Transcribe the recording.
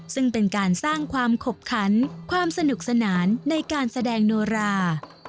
ซึ่งเป็นการสร้างความขบขันความสนุกสนานในการแสดงโนรา